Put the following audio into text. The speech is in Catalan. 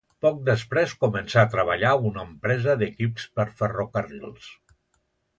Poc després començà a treballar a una empresa d'equips per ferrocarrils.